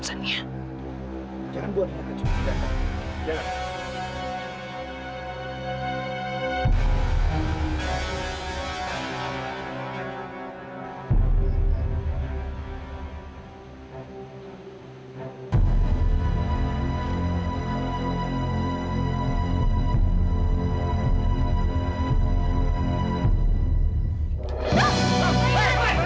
jangan buat dia tercerita